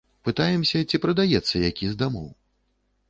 Пытаемся, ці прадаецца які з дамоў.